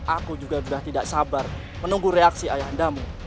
aku juga sudah tidak sabar menunggu reaksi ayah andamu